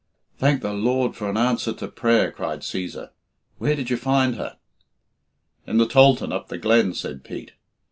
"Thank the Lord for an answer to prayer," cried Cæsar. "Where did you find her?" "In the tholthan up the glen," said Pete.